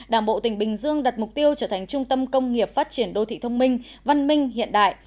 đảng bộ tỉnh bình dương đặt mục tiêu trở thành trung tâm công nghiệp phát triển đô thị thông minh văn minh hiện đại